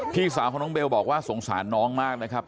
มเบลบอกว่าสงสารน้องมากนะครับ